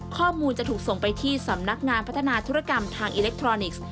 ข้อมูลจะถูกส่งไปที่สำนักงานพัฒนาธุรกรรมทางอิเล็กทรอนิกส์